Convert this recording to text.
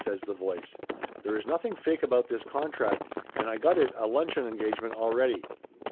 says the voice. "There is nothing fake about this contract and I got it a luncheon engagement already."